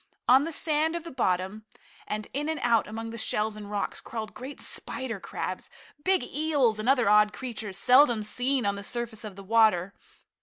On the sand of the bottom, and in and out among the shells and rocks, crawled great spider crabs, big eels and other odd creatures seldom seen on the surface of the water.